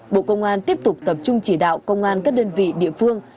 bộ công an tiếp tục tập trung chỉ đạo công an các đơn vị địa phương